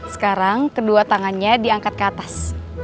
sekarang kedua tangannya diangkat ke atas